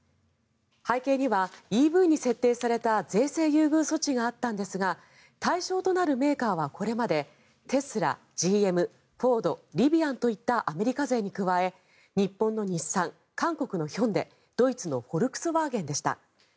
背景にはＥＶに設定された税制優遇措置があったんですが対象となるメーカーはこれまでテスラ、ＧＭフォード、リビアンといったアメリカ勢に加え日本の日産、韓国のヒョンデドイツのフォルクスワーゲンでした。